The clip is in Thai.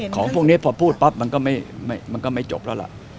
ของพวกนี้พอพูดปั๊บมันก็ไม่จบแล้วล่ะ